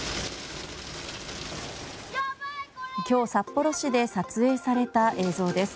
今日、札幌市で撮影された映像です。